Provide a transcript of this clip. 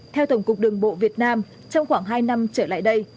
theo tổng cục đường bộ việt nam trong khoảng hai năm trở lại đây